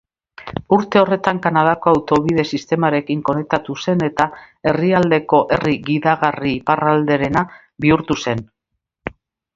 Urte horretan Kanadako Autobide Sistemarekin konektatu zen, eta herrialdeko herri gidagarri iparralderena bihurtu zen.